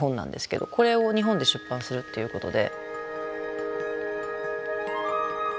これを日本で出版するっていうことで。